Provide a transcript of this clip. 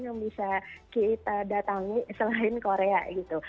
yang bisa kita datangi selain korea gitu